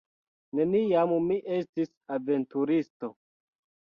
Neniam mi estis aventuristo.